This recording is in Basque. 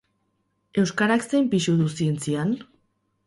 Euskarak zein pisu du zientzian?